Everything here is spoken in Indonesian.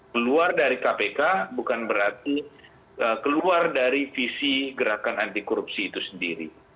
keluar dari kpk bukan berarti keluar dari visi gerakan anti korupsi itu sendiri